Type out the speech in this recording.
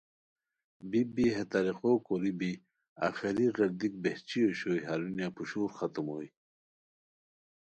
بی بی ہے طریقو کوری بی آخری غیردیک بہچی اوشوئے ہرونیہ پوشور ختم ہوئے